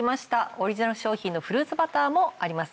オリジナル商品のフルーツバターもあります。